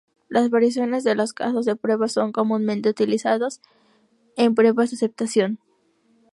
Las variaciones de los casos de prueba son comúnmente utilizados en pruebas de aceptación.